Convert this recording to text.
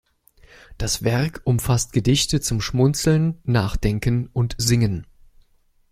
Das Werk umfasst Gedichte zum Schmunzeln, Nachdenken und Singen.